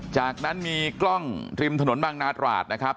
จากนั้นมีกล้องริมถนนบางนาตราดนะครับ